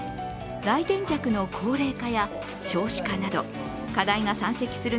来店客の高齢化や少子化など、課題が山積する